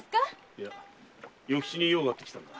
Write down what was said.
いや与吉に用があって来たのだ。